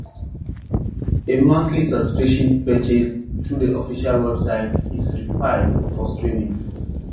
A monthly subscription purchased through the official website is required for streaming.